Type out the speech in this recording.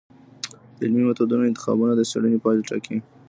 د علمي میتودونو انتخاب د څېړنې پایله ټاکي.